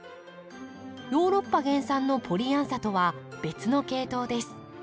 ヨーロッパ原産のポリアンサとは別の系統です。